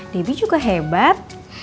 debby juga hebat